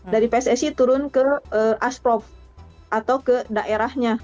dari pssi turun ke asprof atau ke daerahnya